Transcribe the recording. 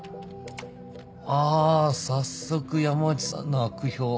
あ早速山内さんの悪評。